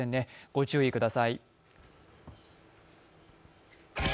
御注意ください。